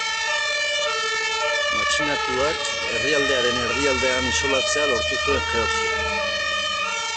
Matxinatuak herrialdearen erdialdean isolatzea lortu zuen Georgiak.